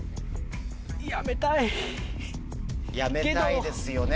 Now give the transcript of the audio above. やめたいですよね。